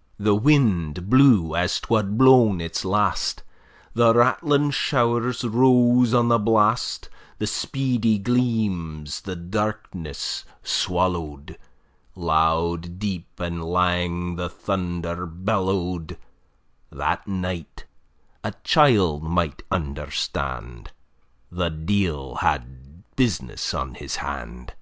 ] The wind blew as 'twad blawn its last; The rattling show'rs rose on the blast; The speedy gleams the darkness swallow'd; Loud, deep, and lang the thunder bellowed: That night, a child might understand, The deil had business on his hand.